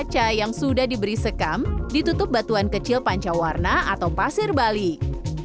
kaca yang sudah diberi sekam ditutup batuan kecil panca warna atau pasir balik